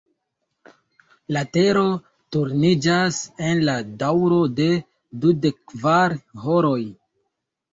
La Tero turniĝas en la daŭro de dudekkvar horoj.